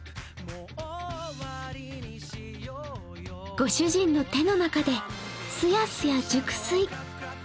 ご主人の手の中ですやすや熟睡。